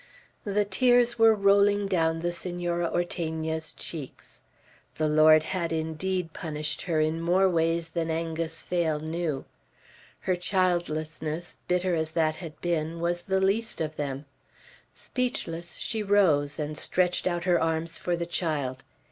The tears were rolling down the Senora Ortegna's cheeks. The Lord had indeed punished her in more ways than Angus Phail knew. Her childlessness, bitter as that had been, was the least of them. Speechless, she rose, and stretched out her arms for the child.